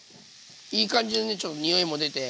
いい感じのねちょっと匂いも出て。